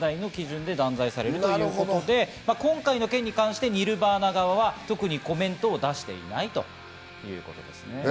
しかし現代の基準で断罪されるということで、今回の件に関してニルヴァーナ側は特にコメントを出していないということです。